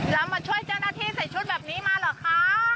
แล้วมาช่วยเจ้าหน้าที่ใส่ชุดแบบนี้มาเหรอคะ